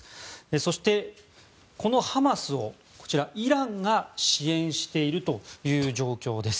そして、このハマスをイランが支援しているという状況です。